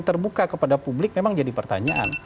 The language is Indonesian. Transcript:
terbuka kepada publik memang jadi pertanyaan